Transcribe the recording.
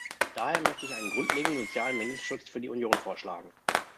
Daher möchte ich einen grundlegenden sozialen Mindestschutz für die Union vorschlagen.